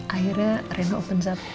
akhirnya rina open zap